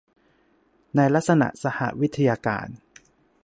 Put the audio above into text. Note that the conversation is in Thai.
ในลักษณะสหวิทยาการ